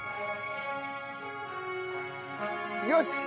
よし！